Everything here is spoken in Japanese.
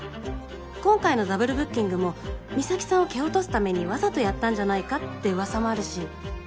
今回のダブルブッキングも美咲さんを蹴落とすためにわざとやったんじゃないかって噂もあるし。